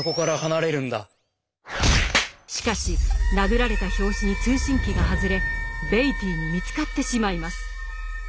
しかし殴られた拍子に通信機が外れベイティーに見つかってしまいます。